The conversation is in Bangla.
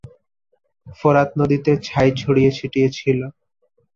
ফোরাত নদীতে ছাই ছড়িয়ে ছিটিয়ে ছিল।